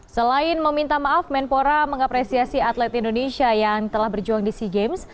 selain meminta maaf menpora mengapresiasi atlet indonesia yang telah berjuang di sea games